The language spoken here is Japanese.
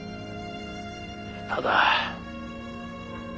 ただ。